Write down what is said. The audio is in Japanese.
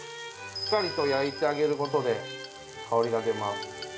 しっかりと焼いてあげることで香りが出ます。